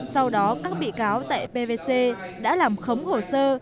sau đó các bị cáo tại pvc đã làm khống hồ sơ